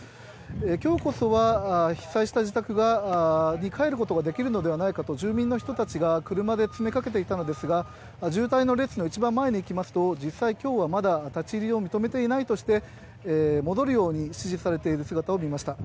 きょうこそは被災した自宅に帰ることができるのではないかと、住民の人たちが車で詰めかけていたのですが、渋滞の列の一番前に行きますと、実際、きょうはまだ立ち入りを認めていないとして、戻るように指示されている姿を見ました。